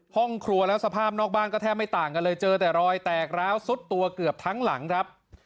ห้องครัวแล้วสภาพนอกบ้านก็แทบไม่ต่างกันเลยเจอแต่รอยแตกร้าวซุดตัวเกือบทั้งหลังครับ